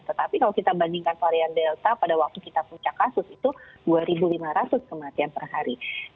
tetapi kalau kita bandingkan varian delta pada waktu kita puncak kasus itu dua lima ratus kematian per hari